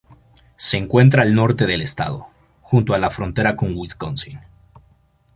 Se encuentra al norte del estado, junto a la frontera con Wisconsin.